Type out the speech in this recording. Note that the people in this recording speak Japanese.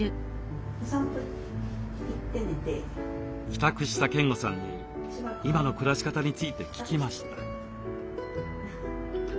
帰宅した健吾さんに今の暮らし方について聞きました。